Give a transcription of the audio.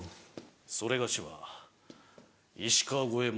「それがしは石川五ェ門」。